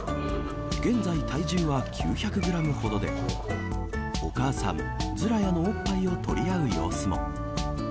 現在、体重は９００グラムほどで、お母さん、ズラヤのおっぱいを取り合う様子も。